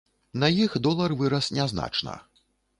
На іх долар вырас нязначна.